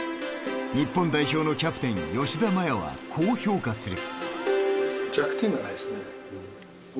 日本代表のキャプテン吉田麻也はこう評価する。